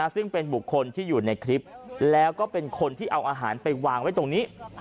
ซึ่งเป็นบุคคลที่อยู่ในคลิปแล้วก็เป็นคนที่เอาอาหารไปวางไว้ตรงนี้